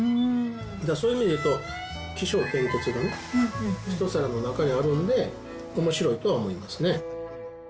そういう意味で言うと、起承転結がね、一皿の中にあるんで、おもしろいとは思いますね。